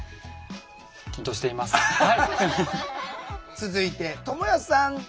続いてともやさん。